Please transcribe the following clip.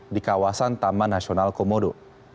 di kawasan taman nasional komodo